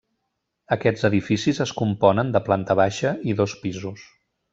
Aquests edificis es componen de planta baixa i dos pisos.